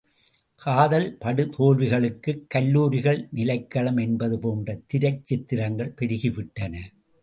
காதல் படு தோல்விகளுக்குக் கல்லூரிகள் நிலைக்களம் என்பது போன்ற திரைச் சித்திரங்கள் பெருகிவிட்டன.